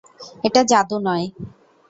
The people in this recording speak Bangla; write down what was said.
এটা জাদু নয়।